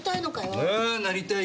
あぁなりたいね！